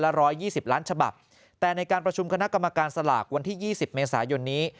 ละ๑๒๐ล้านฉบับแต่ในการประชุมคณะกรรมการสลากวันที่๒๐เมษายนนี้